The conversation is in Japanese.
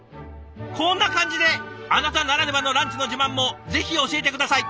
こんな感じであなたならではのランチの自慢もぜひ教えて下さい。